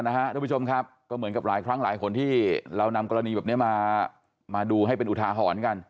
ทุกผู้ชมครับก็เหมือนกับหลายครั้งหลายคนที่เรานำกรณีแบบนี้มาดูให้เป็นอุทาหรณ์กัน